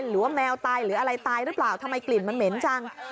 แมวตายหรืออะไรตายหรือเปล่าทำไมกลิ่นมันเหม็นจัง